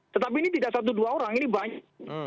tetapi ini tidak satu dua orang ini banyak